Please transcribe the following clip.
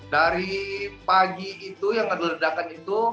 dari pagi itu yang ngedeledakan itu